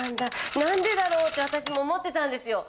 何でだろうって私も思ってたんですよ。